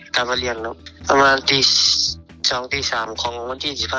กลับมาเรียนแล้วประมาณตี๒๓ของวันที่๒๕ครับ